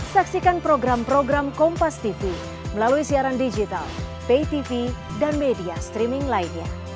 saksikan program program kompastv melalui siaran digital paytv dan media streaming lainnya